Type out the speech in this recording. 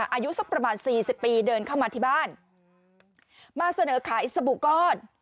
อายุสักประมาณสี่สิบปีเดินเข้ามาที่บ้านมาเสนอขายสบู่ก้อน